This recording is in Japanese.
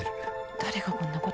誰がこんなこと。